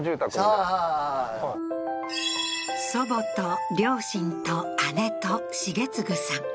そうそう祖母と両親と姉と重継さん